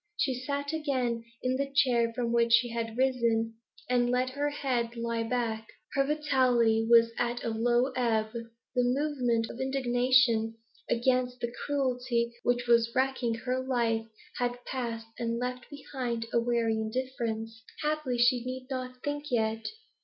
She sat again in the chair from which she had risen, and let her head lie back. Her vitality was at a low ebb; the movement of indignation against the cruelty which was wrecking her life had passed and left behind it a weary indifference. Happily she need not think yet.